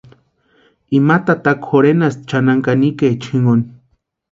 Ima tataka jorhenasti chʼanani kanikaechani jinkoni.